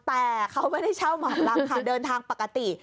แต่เขาไม่ได้เช่าหมอลำค่ะเดินทางปกติ